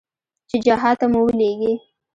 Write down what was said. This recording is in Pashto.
چې جهاد ته مو ولېږي.